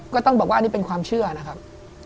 ก็ต้องบอกว่านี่เป็นความเชื่อนะครับ